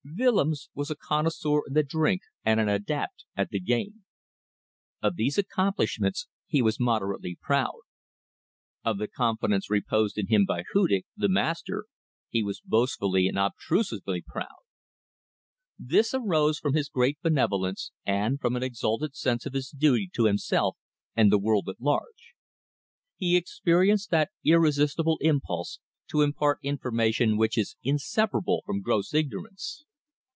Willems was a connoisseur in the drink and an adept at the game. Of those accomplishments he was moderately proud. Of the confidence reposed in him by Hudig the master he was boastfully and obtrusively proud. This arose from his great benevolence, and from an exalted sense of his duty to himself and the world at large. He experienced that irresistible impulse to impart information which is inseparable from gross ignorance.